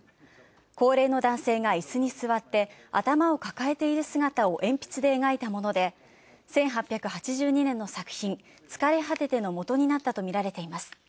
高齢の男性が椅子に座って頭を抱えている姿を鉛筆で描いたもので、１８８２年の作品「疲れ果てて」の基になったとみられています。